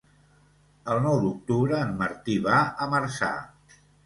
El nou d'octubre en Martí va a Marçà.